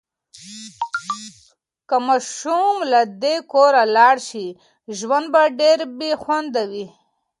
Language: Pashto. که ماشوم له دې کوره لاړ شي، ژوند به ډېر بې خونده وي.